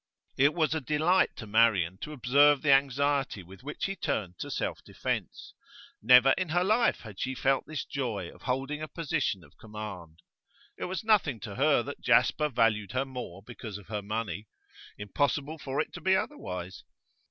It was a delight to Marian to observe the anxiety with which he turned to self defence. Never in her life had she felt this joy of holding a position of command. It was nothing to her that Jasper valued her more because of her money; impossible for it to be otherwise.